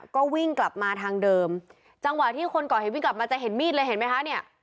ก็วิ่งกลับมาทางเดิมจังหวะที่คนก่อเหตุวิ่งกลับมาจะเห็นมีดเลยเห็นไหมคะเนี่ย